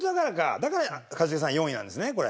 だから一茂さん４位なんですねこれ。